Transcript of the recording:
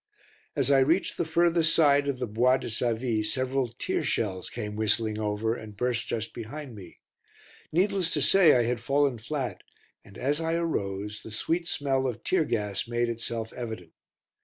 As I reached the furthest side of the Bois de Savy several tear shells came whistling over and burst just behind me. Needless to say I had fallen flat, and, as I arose, the sweet smell of tear gas made itself evident.